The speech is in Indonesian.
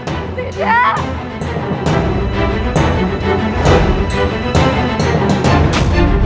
aku membawa konst chop chomp